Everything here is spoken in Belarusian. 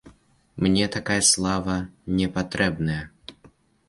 Мне такая слава не патрэбная.